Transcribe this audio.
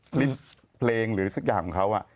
คลิปเพลงหรือสักอย่างของเขา